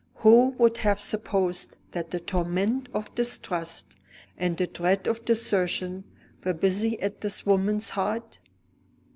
Who would have supposed that the torment of distrust, and the dread of desertion, were busy at this woman's heart?